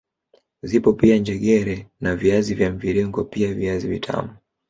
Zipo pia njegere na viazi vya mviringo pia viazi vitamu